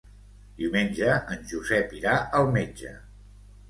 Diumenge en Josep irà al metge.